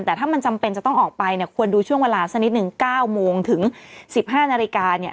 แต่ถ้ามันจำเป็นจะต้องออกไปเนี่ยควรดูช่วงเวลาสักนิดนึง๙โมงถึง๑๕นาฬิกาเนี่ย